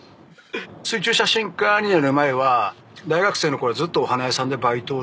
水中写真家になる前は大学生の頃はずっとお花屋さんでバイトをしていて。